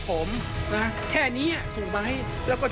ภาษาอังกฤษ